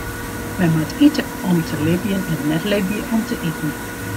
Men moat ite om te libjen en net libje om te iten.